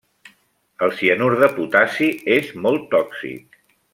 El cianur de potassi és molt tòxic.